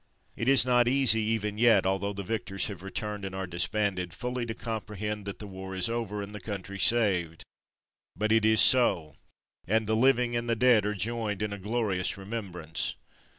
It is not easy even yet, although the victors have returned and are disbanded, fully to comprehend that the war is over and the country saved. But it is so, and the living and the dead are joined in a glorious remembrance.